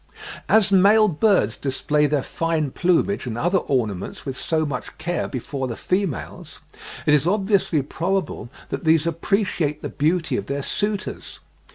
As male birds display their fine plumage and other ornaments with so much care before the females, it is obviously probable that these appreciate the beauty of their suitors.